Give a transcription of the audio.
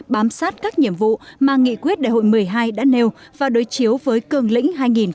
bám sát các nhiệm vụ mà nghị quyết đại hội một mươi hai đã nêu và đối chiếu với cường lĩnh hai nghìn một mươi một